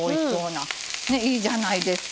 いいじゃないですか。